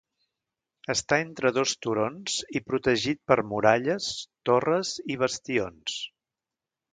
Està entre dos turons i protegit per muralles, torres i bastions.